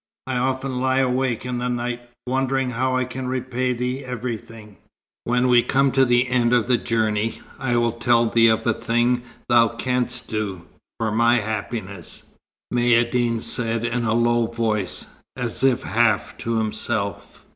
I often lie awake in the night, wondering how I can repay thee everything." "When we come to the end of the journey, I will tell thee of a thing thou canst do, for my happiness," Maïeddine said in a low voice, as if half to himself.